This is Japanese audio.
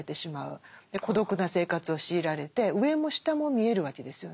孤独な生活を強いられて上も下も見えるわけですよね。